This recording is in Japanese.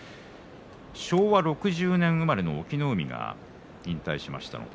昭和６０年生まれの隠岐の海が引退しました。